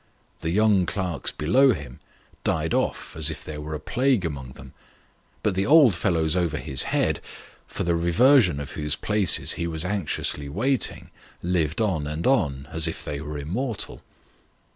The young clerks below him, died off" as if there were a plague among them ; but the old fellows over his head, for the reversion of whose places he was anxiously waiting, lived on and on, as if they were immortal.